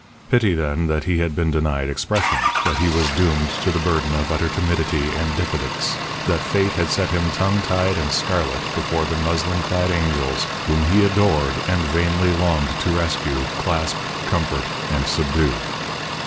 Pity, then, that he had been denied expression, that he was doomed to the burden of utter timidity and diffidence, that Fate had set him tongue tied and scarlet before the muslin clad angels whom he adored and vainly longed to rescue, clasp, comfort, and subdue.